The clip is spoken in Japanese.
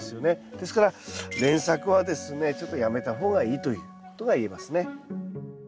ですから連作はですねちょっとやめた方がいいということが言えますね。